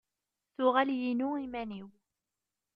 Tuɣal yinu iman-iw.